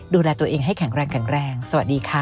ดูแลตัวเองให้แข็งแรงสวัสดีค่ะ